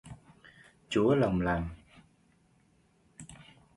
chúa lòng lành